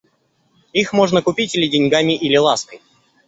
Их можно купить или деньгами или лаской.